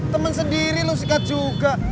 temen sendiri lo sikat juga